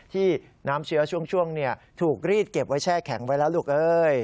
ที่น้ำเชื้อช่วงถูกรีดเก็บไว้แช่แข็งไว้แล้วลูกเอ้ย